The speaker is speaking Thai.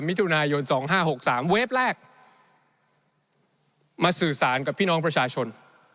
มิถุนายนสองห้าหกสามเวฟแรกมาสื่อสารกับพี่น้องประชาชน